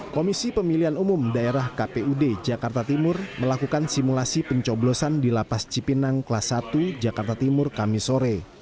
komisi pemilihan umum daerah kpud jakarta timur melakukan simulasi pencoblosan di lapas cipinang kelas satu jakarta timur kamisore